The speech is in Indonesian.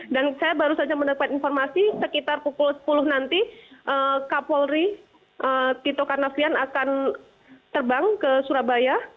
dan saya baru saja mendapat informasi sekitar pukul sepuluh nanti kapolri tito karnavian akan terbang ke surabaya